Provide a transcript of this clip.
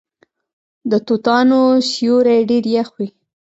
د توتانو سیوری ډیر یخ وي.